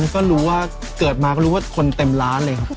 ก็รู้ว่าเกิดมาก็รู้ว่าคนเต็มร้านเลยครับ